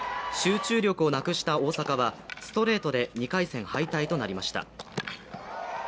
集中力をなくした大坂はストレートで２回戦敗退となりました。